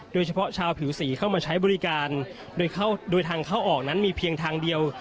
โดยเฉพาะชาวผิวสีเข้ามาใช้บริการโดยทางเข้าออกนั้นมีเพียงทางเดียว